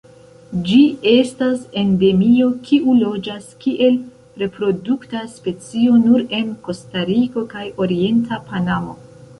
Ĝi estas endemio kiu loĝas kiel reprodukta specio nur en Kostariko kaj orienta Panamo.